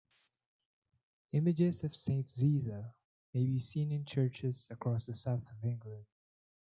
Images of Saint Zita may be seen in churches across the south of England.